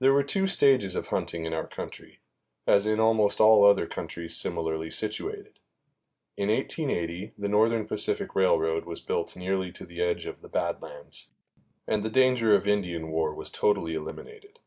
There were two stages of hunting in our country, as in almost all other countries similarly situated. In 1880 the Northern Pacific Railroad was built nearly to the edge of the Bad Lands, and the danger of Indian war was totally eliminated.